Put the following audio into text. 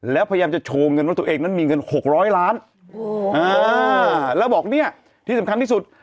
แล้วพยายามจะโชว์เงินว่าตัวเองนั้นมีเงินหกร้อยล้านแล้วบอกเนี่ยที่สำคัญที่สุด